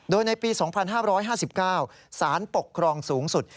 โดยในปี๒๕๕๙สารปกครองสูงสุด